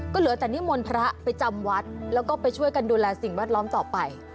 ก็เหลือแต่นิมนต์พระไปจำวัดแล้วก็ไปช่วยกันดูแลสิ่งแวดล้อมต่อไป